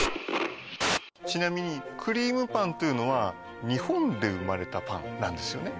ちなみにクリームパンというのは日本で生まれたパンなんですよね